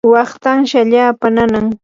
waqtanshi allaapa nanan.